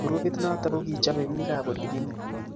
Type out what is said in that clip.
Grupit noto kokichobe bik ab olikinye.